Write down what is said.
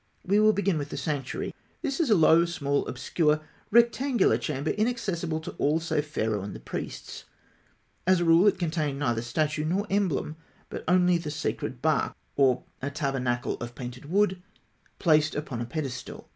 We will begin with the sanctuary. This is a low, small, obscure, rectangular chamber, inaccessible to all save Pharaoh and the priests. As a rule it contained neither statue nor emblem, but only the sacred bark, or a tabernacle of painted wood placed upon a pedestal.